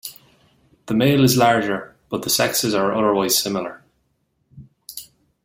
The male is larger, but the sexes are otherwise similar.